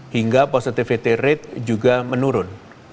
hingga positivity rate juga menurun